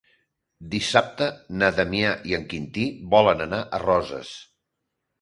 Dissabte na Damià i en Quintí volen anar a Roses.